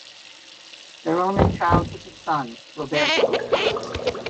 Their only child was a son, Roberto.